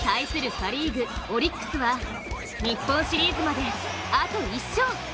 パ・リーグ、オリックスは日本シリーズまであと１勝。